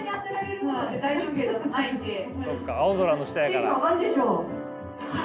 そっか青空の下やから。